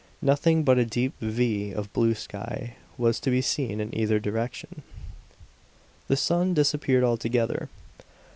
Nothing but a deep "V" of blue sky was to be seen in either direction. The sun disappeared altogether.